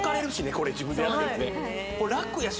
これ自分でやってるとね